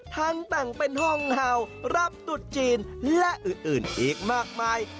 ทั้งแต่งเป็นห้องเห่ารับตุดจีนและอื่นอีกมากมาย